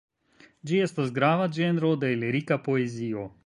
Ĝi estas grava ĝenro de lirika poezio.